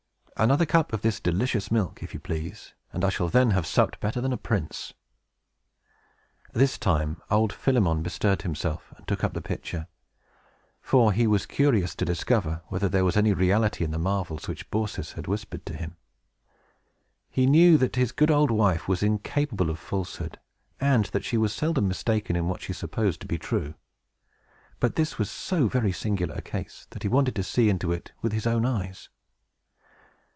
"Another cup of this delicious milk, if you please, and I shall then have supped better than a prince." This time, old Philemon bestirred himself, and took up the pitcher; for he was curious to discover whether there was any reality in the marvels which Baucis had whispered to him. He knew that his good old wife was incapable of falsehood, and that she was seldom mistaken in what she supposed to be true; but this was so very singular a case, that he wanted to see into it with his own eyes.